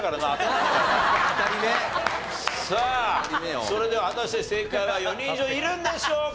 さあそれでは果たして正解は４人以上いるのでしょうか？